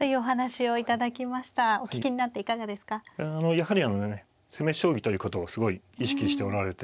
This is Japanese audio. やはり攻め将棋ということをすごい意識しておられて。